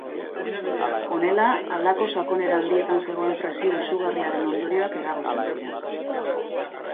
Honela, halako sakonera handietan zegoen presio izugarriaren ondorioak eragozten ziren.